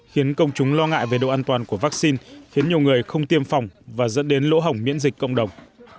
khiến công chúng lo ngại về độ an toàn của vaccine khiến nhiều người không tiêm phòng và dẫn đến lỗ hỏng miễn dịch cộng đồng